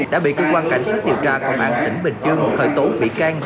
đã bị cơ quan cảnh sát điều tra công an tỉnh bình dương khởi tố bị can